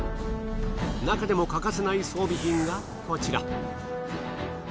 なかでも欠かせない装備品がこちら。